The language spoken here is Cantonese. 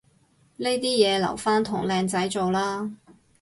呢啲嘢留返同靚仔做啦